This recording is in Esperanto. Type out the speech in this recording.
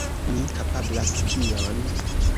Mi kapablas kion?